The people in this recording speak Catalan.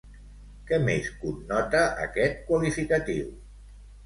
Què més connota aquest qualificatiu?